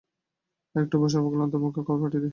একটু বোসো, অবলাকান্তবাবুকে খবর পাঠিয়ে দিই।